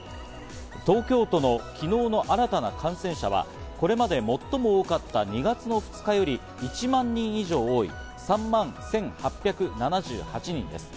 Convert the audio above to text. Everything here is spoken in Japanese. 東京都の昨日の新たな感染者は、これまで最も多かった、２月２日より１万人以上多い、３万１８７８人です。